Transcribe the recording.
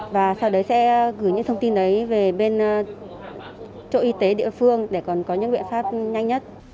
và sau đấy sẽ gửi những thông tin đấy về bên chỗ y tế địa phương để còn có những biện pháp nhanh nhất